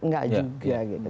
enggak juga gitu